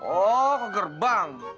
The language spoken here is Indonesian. oh ke gerbang